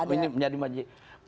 ini menjadi manji